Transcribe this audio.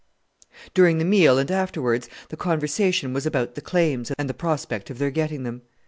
During the meal, and afterwards, the conversation was about the claims and the prospect of their getting them.